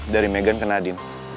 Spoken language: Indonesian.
dari megan ke nadin